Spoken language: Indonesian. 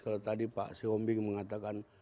kalau tadi pak siombing mengatakan